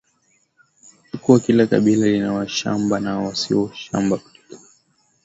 kuwa kila kabila lina washamba na wasio washamba kutegemeana na aina ya ushamba na